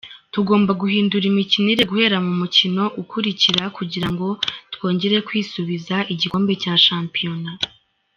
Tugomba guhindura imikinire guhera mu mukino ukurikira kugira ngo twongere kwisubiza igikombe cya shampiyona.